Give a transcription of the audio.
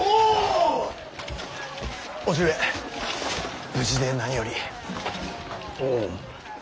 おう。